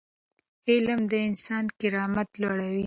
علم د انسان کرامت لوړوي.